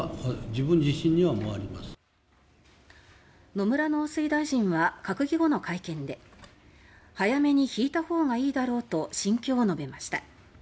野村農水大臣は閣議後の会見で「早めに身を引いたほうがいいだろう」と心境を述べました。